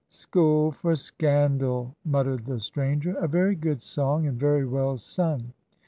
"School for Scandal," muttered the stranger. "A very good song and very well sung.